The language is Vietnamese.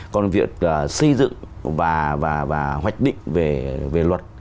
còn việc xây dựng và hoạch định về luật